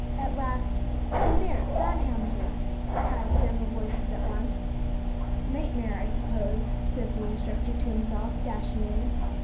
At last, "In there, Farnham's room," cried several voices at once. "Nightmare, I suppose," said the instructor to himself, dashing in.